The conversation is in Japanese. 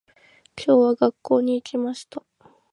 今日は、学校に行きました。